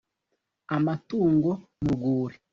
Amatungo mu rwuli